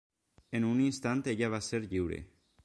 En un instant, ella va ser lliure.